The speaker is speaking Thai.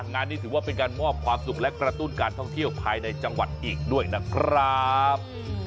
งานนี้ถือว่าเป็นการมอบความสุขและกระตุ้นการท่องเที่ยวภายในจังหวัดอีกด้วยนะครับ